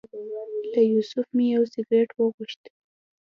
له یوسف مې یو سګرټ وغوښت.